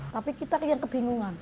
tapi kita yang kebingungan